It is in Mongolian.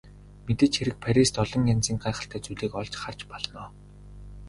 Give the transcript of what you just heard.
Мэдээж хэрэг Парист олон янзын гайхалтай зүйлийг олж харж болно.